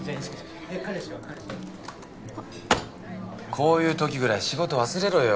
こういう時ぐらい仕事忘れろよ。